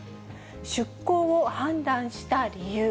出航を判断した理由。